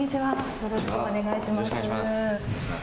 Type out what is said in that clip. よろしくお願いします。